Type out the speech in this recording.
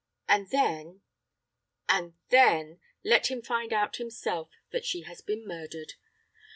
And then and then let him find out himself that she has been murdered.